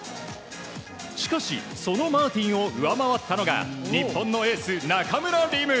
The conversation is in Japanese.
しかしそのマーティンを上回ったのが日本のエース、中村輪夢。